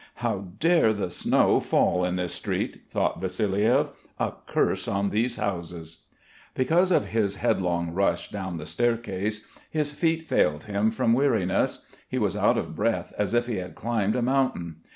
"How dare the snow fall in this street?" thought Vassiliev. "A curse on these houses." Because of his headlong rush down the staircase his feet failed him from weariness; he was out of breath as if he had climbed a mountain.